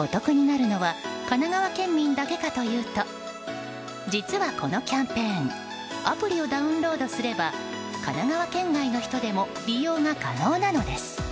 お得になるのは神奈川県民だけかというと実は、このキャンペーンアプリをダウンロードすれば神奈川県外の人でも利用が可能なのです。